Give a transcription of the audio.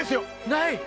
ない！